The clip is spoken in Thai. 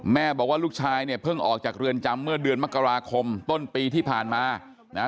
แม่บอกว่าลูกชายเนี่ยเพิ่งออกจากเรือนจำเมื่อเดือนมกราคมต้นปีที่ผ่านมานะฮะ